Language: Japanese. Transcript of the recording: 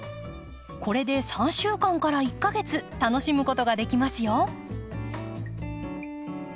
これで３週間から１か月楽しむことができますよ。